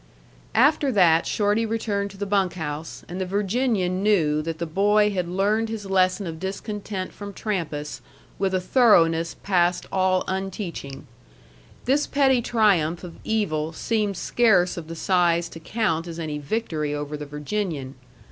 After that Shorty returned to the bunk house, and the Virginian knew that the boy had learned his lesson of discontent from Trampas with a thoroughness past all unteaching. This petty triumph of evil seemed scarce of the size to count as any victory over the Virginian.